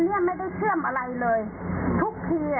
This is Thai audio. เราก็ไม่ได้ช่วงดีณเดือนนี้ไม่ได้เชื่อมอะไรเลย